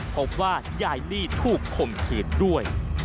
พบว่ายายลี่ถูกข่มขืนด้วย